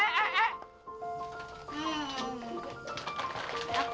eh bentar dong